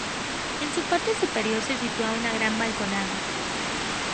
En su parte superior se sitúa una gran balconada.